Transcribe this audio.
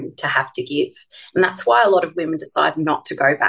dan itulah sebabnya banyak wanita memutuskan untuk tidak kembali bekerja